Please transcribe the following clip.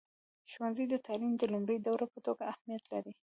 ښوونځی د تعلیم د لومړني دور په توګه اهمیت لري.